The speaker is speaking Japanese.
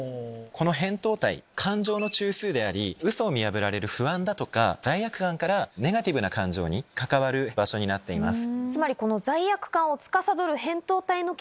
この扁桃体感情の中枢でありウソを見破られる不安だとか罪悪感からネガティブな感情に関わる場所になっています。